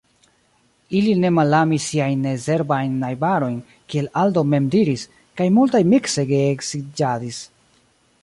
Ili ne malamis siajn neserbajn najbarojn, kiel Aldo mem diris, kaj multaj mikse geedziĝadis.